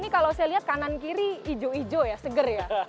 kalau saya lihat kanan kiri ijo ijo ya seger ya